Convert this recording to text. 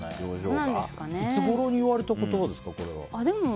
いつごろに言われた言葉ですか？